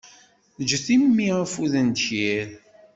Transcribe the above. Get i mmi afud n ddkir.